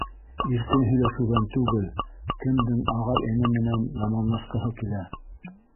— Иркен һөйләшеүҙән түгел, кемдең ағай-эне менән яманлашҡыһы килә.